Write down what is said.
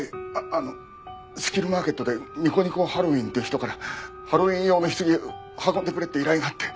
あのスキルマーケットでにこにこハロウィーンって人からハロウィーン用の棺を運んでくれって依頼があって。